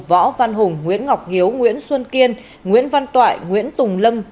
võ văn hùng nguyễn ngọc hiếu nguyễn xuân kiên nguyễn văn toại nguyễn tùng lâm